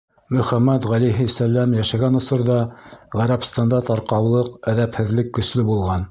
Мөхәммәт ғәләйһис-сәләм йәшәгән осорҙа Ғәрәбстанда тарҡаулыҡ, әҙәпһеҙлек көслө булған.